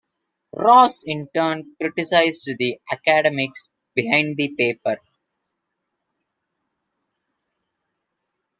Ross in turn criticized the academics behind the paper.